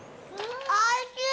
おいしい！